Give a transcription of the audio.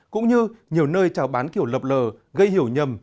cũng như nhiều nơi trào bán kiểu lập lờ gây hiểu nhầm